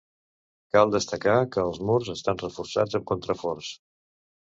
Cal destacar que els murs estan reforçats amb contraforts.